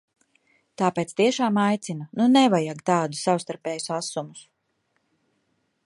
Tāpēc tiešām aicinu: nu, nevajag tādus savstarpējus asumus!